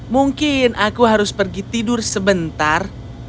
mungkin aku harus pergi tidur sebentar